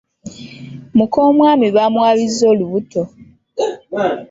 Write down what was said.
Muka omwami bamwabizza olubuto.